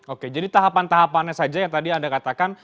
oke jadi tahapan tahapannya saja yang tadi anda katakan